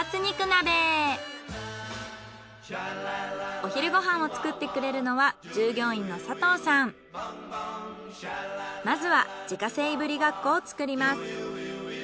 お昼ご飯を作ってくれるのはまずは自家製いぶりがっこを作ります。